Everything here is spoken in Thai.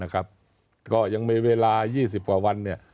ก็ยังมีเวลา๒๐ประวัติวัน